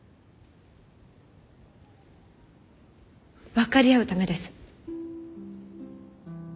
分かり合うためです。